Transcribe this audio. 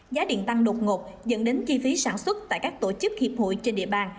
giá điện tăng đột ngột dẫn đến chi phí sản xuất tại các tổ chức hiệp hội trên địa bàn